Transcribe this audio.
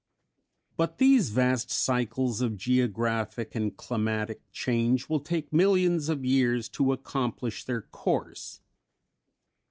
_ But these vast cycles of geographic and climatic change will take millions of years to accomplish their course.